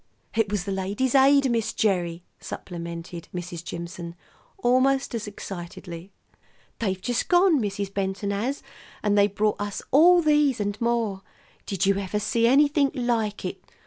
"It was the Ladies' Aid, Miss Gerry," supplemented Mrs. Jimson almost as excitedly. "They've just gone, Mrs. Benton has, and they brought us all these and more. Did you ever see anything like it?